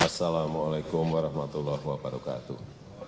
assalamu'alaikum warahmatullahi wabarakatuh